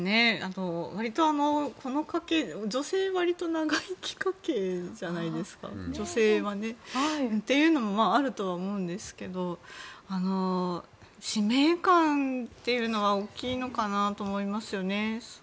割と、この家系の女性は長生き家系じゃないですかね。というのもあるとは思うんですけど使命感というのは大きいのかなと思いますね。